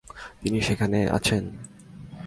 তিনি সেখানে আছেন?